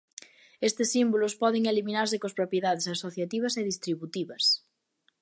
Estes símbolos poden eliminarse coas propiedades asociativas e distributivas.